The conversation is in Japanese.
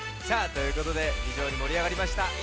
さあということでひじょうにもりあがりました。